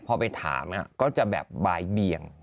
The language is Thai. พอไปถามก็จะแบบบ่ายเบียง